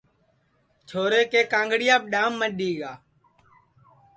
چھورے کے کانٚڑیاپ ڈؔام مڈؔی گا